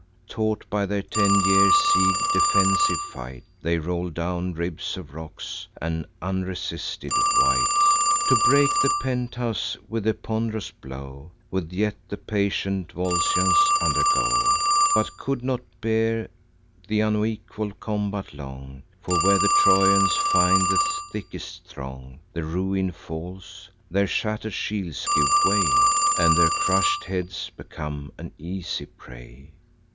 Taught, by their ten years' siege, defensive fight, They roll down ribs of rocks, an unresisted weight, To break the penthouse with the pond'rous blow, Which yet the patient Volscians undergo: But could not bear th' unequal combat long; For, where the Trojans find the thickest throng, The ruin falls: their shatter'd shields give way, And their crush'd heads become an easy prey.